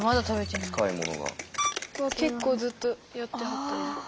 結構ずっとやってはった。